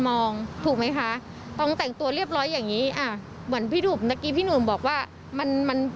ต้องก็บอกว่าต้องแต่งขนาดต้องใส่สูตรคนยังดูยั่วยุ๊ะเลย